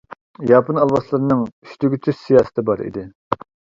ياپون ئالۋاستىلىرىنىڭ «ئۈچ تۈگىتىش» سىياسىتى بار ئىدى.